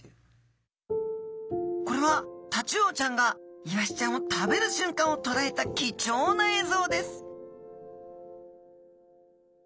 これはタチウオちゃんがイワシちゃんを食べるしゅんかんをとらえた貴重な映像です